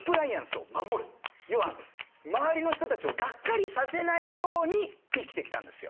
要は周りの人たちをがっかりさせないように生きてきたんですよ。